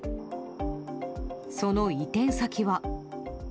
その移転先は。